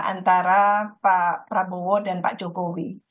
antara pak prabowo dan pak jokowi